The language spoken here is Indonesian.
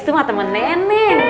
itu mah temen nenek